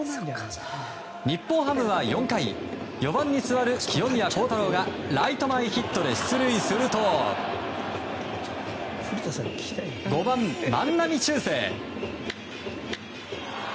日本ハムは４回４番に座る清宮幸太郎がライト前ヒットで出塁すると５番、万波中正。